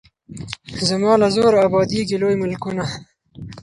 زما له زوره ابادیږي لوی ملکونه